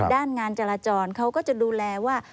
งานจราจรเขาก็จะดูแลว่า